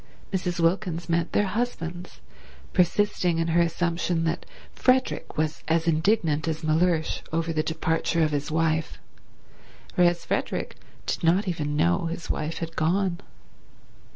Mrs. Wilkins meant their husbands, persisting in her assumption that Frederick was as indignant as Mellersh over the departure of his wife, whereas Frederick did not even know his wife had gone.